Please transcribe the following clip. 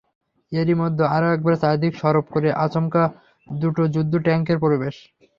এরই মধ্যে আরও একবার চারদিক সরব করে আচমকা দুটো যুদ্ধট্যাংকের প্রবেশ।